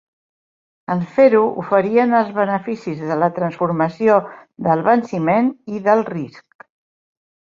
En fer-ho, oferien els beneficis de la transformació del venciment i del risc.